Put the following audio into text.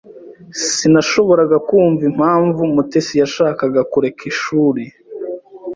Sinashoboraga kumva impamvu Mutesi yashakaga kureka ishuri.